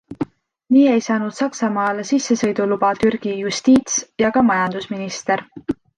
Nii ei saanud Saksamaale sissesõiduluba Türgi justiits- ja ka majandusminister.